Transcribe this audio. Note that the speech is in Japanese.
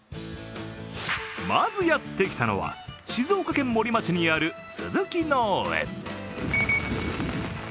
まずやってきたのは、静岡県森町にある鈴木農園。